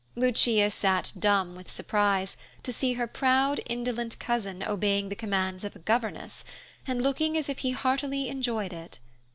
Lucia sat dumb with surprise, to see her proud, indolent cousin obeying the commands of a governess, and looking as if he heartily enjoyed it.